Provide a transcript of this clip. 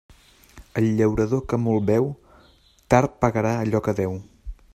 El llaurador que molt beu, tard pagarà allò que deu.